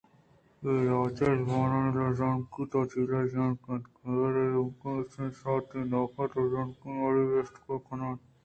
اے راج ءُزبانانی لبزانکی توجیل رجانک اَنت کہ ہمے رجانکی ہشتانی سرا آ وتی نوکیں لبزانکی ماڑی ءَ بست کن اَنت